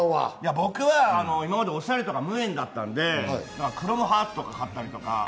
僕は今までおしゃれとか無縁だったんで、クロムハーツを買ったりとか。